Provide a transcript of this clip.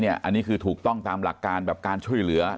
อันนี้คือถูกต้องตามหลักการแบบการช่วยเหลือ